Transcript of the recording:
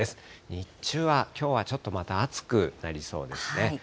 日中はきょうはちょっとまた暑くなりそうですね。